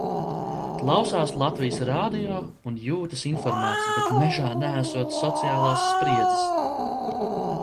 Klausās Latvijas Radio un jūtas informēts, bet mežā neesot sociālās spriedzes.